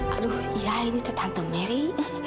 aduh iya ini teh tante mary